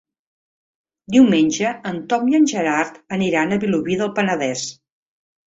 Diumenge en Tom i en Gerard aniran a Vilobí del Penedès.